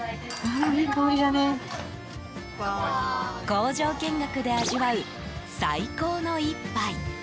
工場見学で味わう最高の一杯。